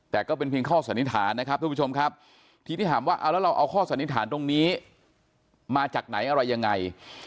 แต่ก็เป็นเพียงข้อสันนิษฐานนะครับทุกผู้ชมครับทีนี้ถามว่าเอาแล้วเราเอาข้อสันนิษฐานตรงนี้มาจากไหนอะไรยังไง